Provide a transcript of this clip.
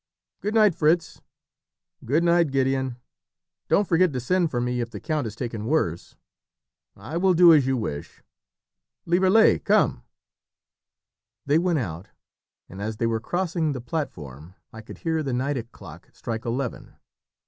Good night, Fritz." "Good night, Gideon. Don't forget to send for me if the count is taken worse." "I will do as you wish. Lieverlé, come." They went out, and as they were crossing the platform I could hear the Nideck clock strike eleven.